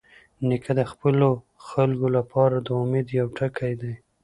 نیکه د خپلو خلکو لپاره د امید یوه ټکۍ ده.